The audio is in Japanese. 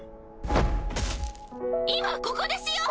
今ここでしよう！